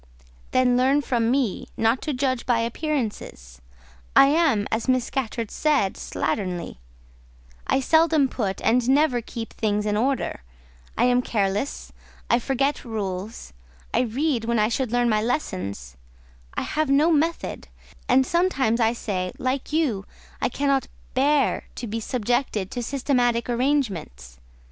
"Then learn from me, not to judge by appearances: I am, as Miss Scatcherd said, slatternly; I seldom put, and never keep, things in order; I am careless; I forget rules; I read when I should learn my lessons; I have no method; and sometimes I say, like you, I cannot bear to be subjected to systematic arrangements.